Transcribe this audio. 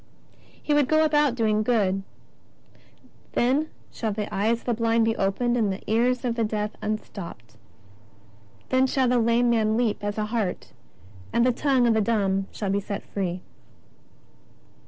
X He would go about doing good :" Then shall the eyes of the blind be opened, and the ears of the deaf unstopped. Then shall the lame man leap as a hart, and the tongue of the dumb shall be free."